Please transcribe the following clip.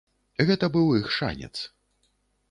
Гэта быў іх шанец.